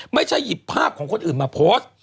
ไม่ใช่หยิบภาพของคนอื่นมาโพสต์